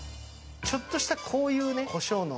ちょっとしたこういうね、こしょうの。